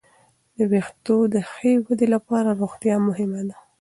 د وېښتو د ښې ودې لپاره روغتیا مهمه ده.